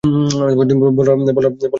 Balaram, হেই?